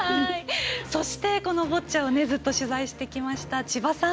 そしてボッチャをずっと取材してきました千葉さん